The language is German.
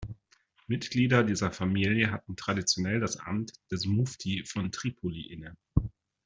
Mitglieder dieser Familie hatten traditionell das Amt des Mufti von Tripoli inne.